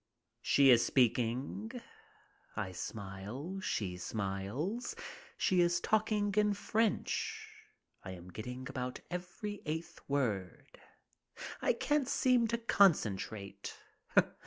She is speaking. I smile. She smiles. She is talking in French. I am getting about every eighth word. I can't seem to concentrate.